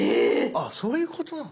あっそういうことなの。